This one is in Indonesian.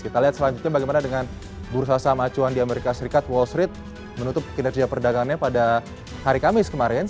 kita lihat selanjutnya bagaimana dengan bursa saham acuan di amerika serikat wall street menutup kinerja perdagangannya pada hari kamis kemarin